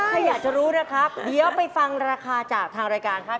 ถ้าอยากจะรู้นะครับเดี๋ยวไปฟังราคาจากทางรายการครับ